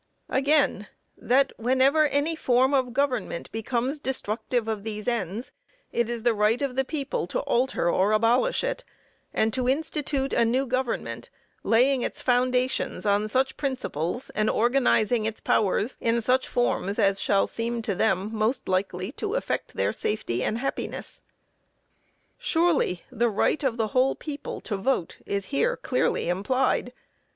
Again: "That whenever any form of government becomes destructive of these ends, it is the right of the people to alter or abolish it, and to institute a new government, laying its foundations on such principles, and organizing its powers in such forms as to them shall seem most likely to effect their safety and happiness." Surely, the right of the whole people to vote is here clearly implied.